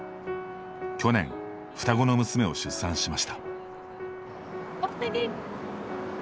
去年、双子の娘を出産しました。